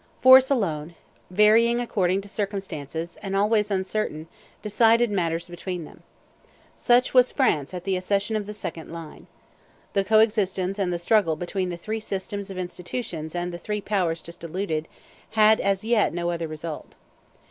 Force alone, varying according to circumstances and always uncertain decided matters between them. Such was France at the accession of the second line. The co existence of and the struggle between the three systems of institutions and the three powers just alluded to had as yet had no other result.